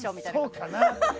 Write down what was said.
そうかな。